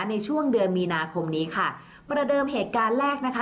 ในช่วงเดือนมีนาคมนี้ค่ะประเดิมเหตุการณ์แรกนะคะ